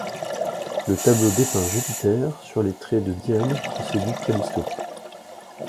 Le tableau dépeint Jupiter, sous les traits de Diane, qui séduit Callisto.